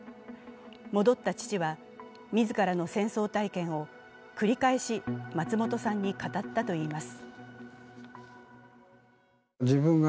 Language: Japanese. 戻った父は、自らの戦争体験を繰り返し松本さんに語ったといいます。